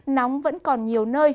nóng vẫn còn nhiều nơi